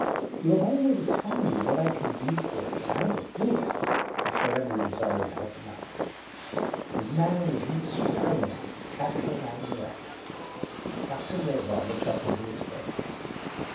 You have only to tell me what I can do for you, and I will do it." He showed every desire to help him out. His manner was indescribably tactful and direct. Dr. Laidlaw looked up into his face.